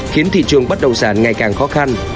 khiến thị trường bất động sản ngày càng khó khăn